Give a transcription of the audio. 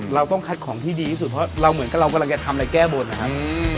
เราต้องคัดของที่ดีที่สุดเพราะเราเหมือนกับเรากำลังจะทำอะไรแก้บนนะครับ